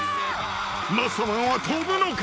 ［マッサマンはとぶのか？